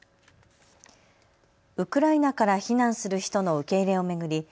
ウクライナから避難する人の受け入れを巡り